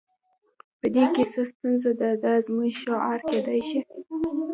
په دې کې څه ستونزه ده دا زموږ شعار کیدای شي